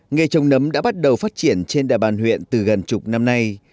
nghề trồng nấm đã bắt đầu phát triển trên địa bàn huyện từ gần chục năm nay